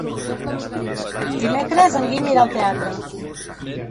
Dimecres en Guim irà al teatre.